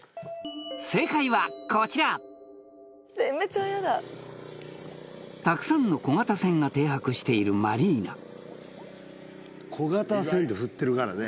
正解はこちらたくさんの小型船が停泊しているマリーナ「小型船」でふってるからね